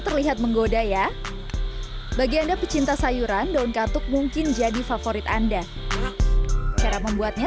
terlihat menggoda ya bagi anda pecinta sayuran daun katuk mungkin jadi favorit anda cara membuatnya